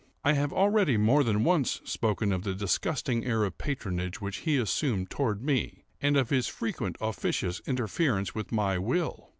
I have already more than once spoken of the disgusting air of patronage which he assumed toward me, and of his frequent officious interference with my will.